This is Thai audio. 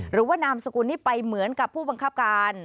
นามสกุลนี้ไปเหมือนกับผู้บังคับการ